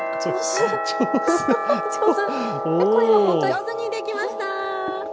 上手にできました。